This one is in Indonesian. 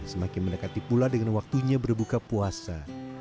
semakin mendekati pula dengan waktunya berbuka puasa